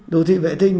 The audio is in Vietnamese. đô thị vệ tinh